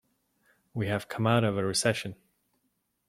We have come out of a recession.